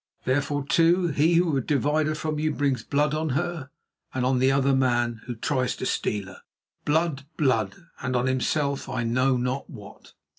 Therefore, too, he who would divide her from you brings blood on her and on the other man who tries to steal her, blood, blood! and on himself I know not what."